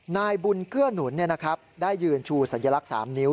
นายบุญเกื้อหนุนได้ยืนชูสัญลักษณ์๓นิ้ว